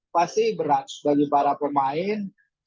pasti berat bagi para pemain